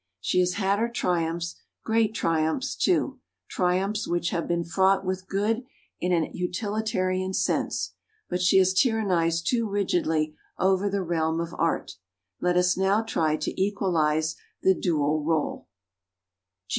She has had her triumphs, great triumphs too, triumphs which have been fraught with good in an utilitarian sense, but she has tyrannised too rigidly over the realm of Art. Let us now try to equalise the dual rule.